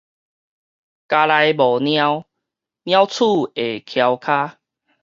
家內無貓，鳥鼠會曲跤